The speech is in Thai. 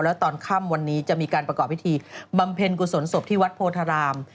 แล้วตอนค่ำวันนี้จะมีการประกอบพิธีบำเพ็ญกุศลศพที่วัดโพธาราม